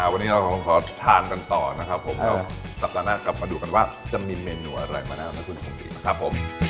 วันนี้เราขอทานกันต่อนะครับแล้วสัปดาห์หน้ากลับมาดูกันว่าจะมีเมนูอะไรมานะครับ